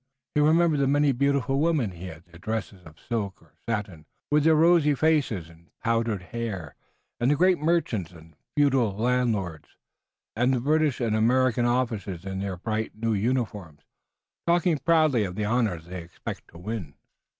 He remembered the many beautiful women he had seen, in their dresses of silk or satin, with their rosy faces and powdered hair, and the great merchants and feudal landowners, and the British and American officers in their bright new uniforms, talking proudly of the honors they expected to win.